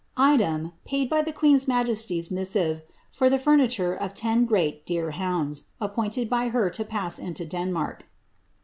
*• Item, paid by the queen*s majesty's missive, for the furniture of ten great deer hounds, appointed by her to pass into Denmark."